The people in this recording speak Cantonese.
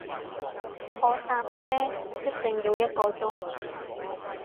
我搭車一定要一個鐘